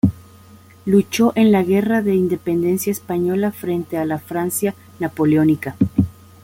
Luchó en la Guerra de Independencia Española frente a la Francia Napoleónica.